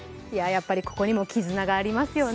やっぱりここにも絆がありますよね。